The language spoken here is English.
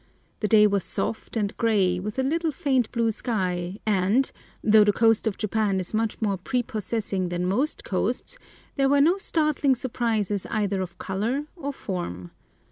The day was soft and grey with a little faint blue sky, and, though the coast of Japan is much more prepossessing than most coasts, there were no startling surprises either of colour or form.